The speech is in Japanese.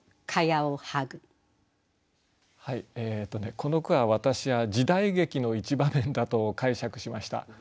この句は私は時代劇の一場面だと解釈しました。